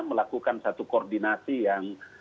melakukan satu koordinasi yang